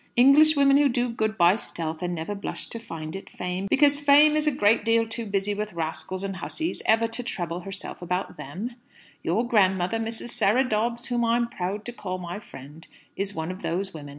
Englishwomen who do good by stealth and never blush to find it Fame, because Fame is a great deal too busy with rascals and hussies ever to trouble herself about them! Your grandmother, Mrs. Sarah Dobbs, whom I'm proud to call my friend, is one of those women.